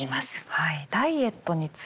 はい。